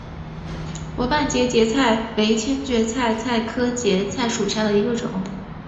薄瓣节节菜为千屈菜科节节菜属下的一个种。